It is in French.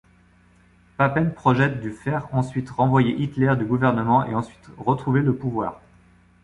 Papen projette de faire ensuite renvoyer Hitler du gouvernement et ainsi retrouver le pouvoir.